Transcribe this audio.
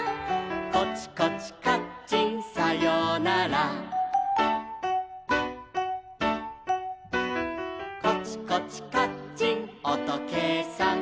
「コチコチカッチンさようなら」「コチコチカッチンおとけいさん」